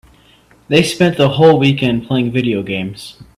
They spent the whole weekend playing video games.